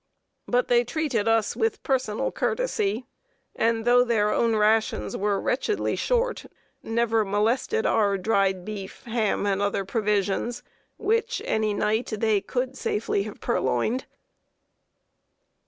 But they treated us with personal courtesy, and though their own rations were wretchedly short, never molested our dried beef, hams, and other provisions, which any night they could safely have purloined.